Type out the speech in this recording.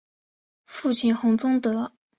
父亲洪宗德。